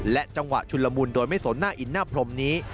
จังหวะชุนละมุนโดยไม่สนหน้าอินหน้าพรมนี้